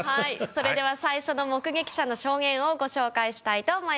それでは最初の目撃者の証言をご紹介したいと思います。